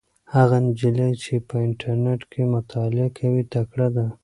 هغه نجلۍ چې په انټرنيټ کې مطالعه کوي تکړه ده.